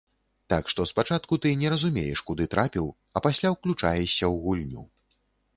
Так што спачатку ты не разумееш, куды трапіў, а пасля ўключаешся ў гульню.